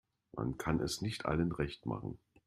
Man kann es nicht allen recht machen.